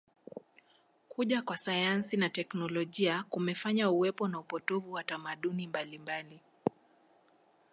Kuja kwa sayansi na teknolojia kumefanya uwepo na upotovu wa tamaduni mbalimbali